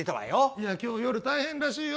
いや今日夜大変らしいよ。